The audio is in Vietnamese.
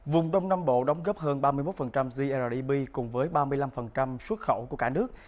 vùng đông nam bộ đóng góp hơn ba mươi một grdp cùng với ba mươi năm xuất khẩu của cả nước